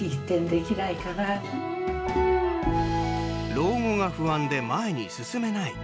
老後が不安で前に進めない。